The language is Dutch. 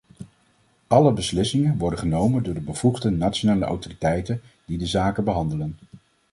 Alle beslissingen worden genomen door de bevoegde nationale autoriteiten die de zaken behandelen.